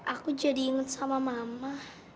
aku jadi ingat sama mama